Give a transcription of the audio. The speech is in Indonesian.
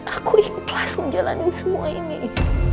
aku ikhlas ngejalanin semua ini